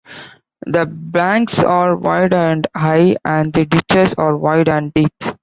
The banks are wide and high, and the ditches are wide and deep.